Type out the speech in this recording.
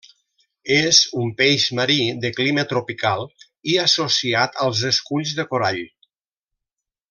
És un peix marí de clima tropical i associat als esculls de corall.